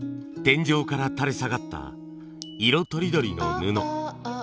天井から垂れ下がった色とりどりの布。